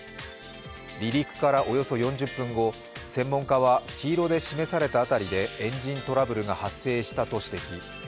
離陸からおよそ４０分後、専門家は黄色で示された辺りでエンジントラブルが発生したと指摘。